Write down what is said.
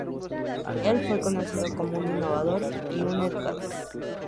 Él fue conocido como un innovador y un educador.